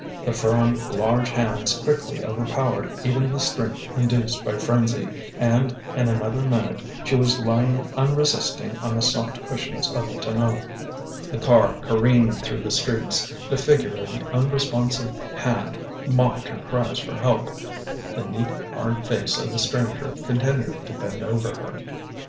The firm large hands quickly overpowered even the strength induced by frenzy, and in another minute she was lying unresisting on the soft cushions of the tonneau. The car careened through the streets, the figure of the unresponsive Hand mocked her cries for help, the neat hard face of the stranger continued to bend over her.